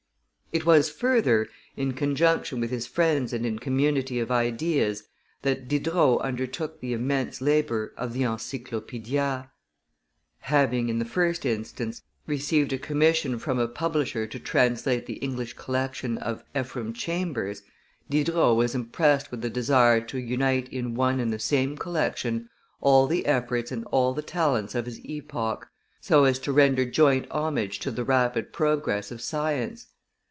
It was, further, in conjunction with his friends and in community of ideas that Diderot undertook the immense labor of the Encyclopaedia. Having, in the first instance, received a commission from a publisher to translate the English collection of [Ephraim] Chambers, Diderot was impressed with a desire to unite in one and the same collection all the efforts and all the talents of his epoch, so as to render joint homage to the rapid progress of science.